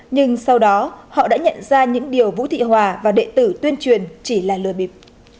nhưng sau đó họ đã nhận ra những điều vũ thị hòa và đệ tử tuyên truyền chỉ là lừa bịp